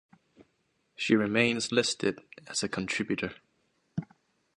She remains listed as a contributor.